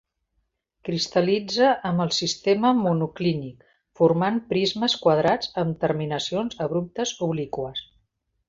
Cristal·litza en el sistema monoclínic, formant prismes quadrats amb terminacions abruptes obliqües.